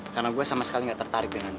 karena gue sama sekali nggak tertarik dengan lo